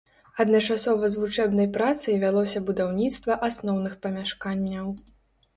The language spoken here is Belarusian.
Адначасова з вучэбнай працай вялося будаўніцтва асноўных памяшканняў.